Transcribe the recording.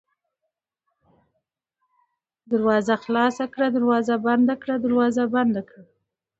دروازه خلاصه کړه ، دروازه بنده کړه ، دروازه بنده کړه